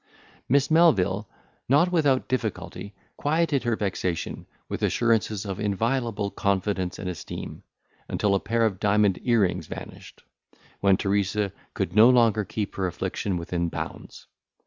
Miss Melvil, not without difficulty, quieted her vexation with assurances of inviolable confidence and esteem, until a pair of diamond earrings vanished, when Teresa could no longer keep her affliction within bounds.